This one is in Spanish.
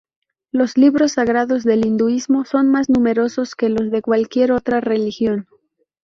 Los libros sagrados del hinduismo son más numerosos que los de cualquier otra religión.